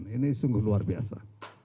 ini sungguh luar biasa